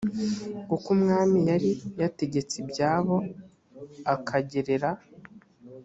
kuko umwami yari yategetse ibyabo akagerera